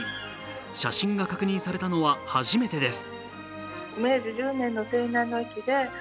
写真が確認されたのは初めてです。